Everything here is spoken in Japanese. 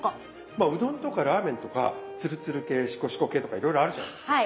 まあうどんとかラーメンとかつるつる系しこしこ系とかいろいろあるじゃないですか。